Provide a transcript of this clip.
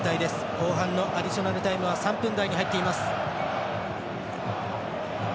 後半のアディショナルタイムは３分台に入っています。